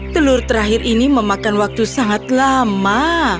telur terakhir ini memakan waktu sangat lama